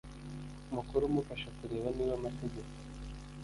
mukuru umufasha kureba niba amategeko